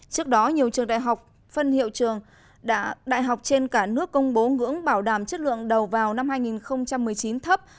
trước đó nhiều trường đại học phân hiệu trường đã đại học trên cả nước công bố ngưỡng bảo đảm chất lượng đầu vào năm hai nghìn một mươi chín thấp